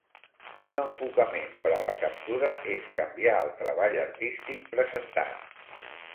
Un enfocament per a la captura és canviar el treball artístic presentat.